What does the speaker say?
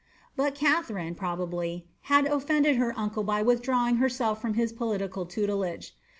But Katharine, probably, had offended her uncle by withdrawing her self from his political tutelage.